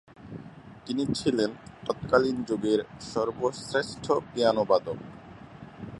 তিনি ছিলেন তৎকালীন যুগের সর্বশ্রেষ্ঠ পিয়ানো বাদক।